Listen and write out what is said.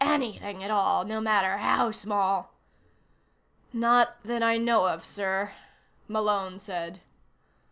Anything at all, no matter how small?" "Not that I know of, sir," Malone said.